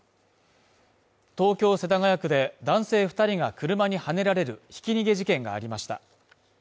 東京・世田谷区で男性２人が車にはねられるひき逃げ事件がありました。